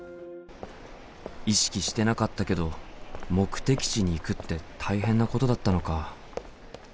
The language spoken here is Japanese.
意識してなかったけど目的地に行くって大変なことだったのか。